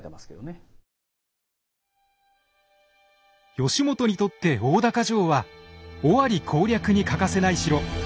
義元にとって大高城は尾張攻略に欠かせない城。